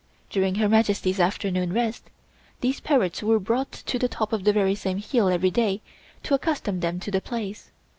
During Her Majesty's afternoon rest, these parrots were brought to the top of the very same hill every day to accustom them to the place.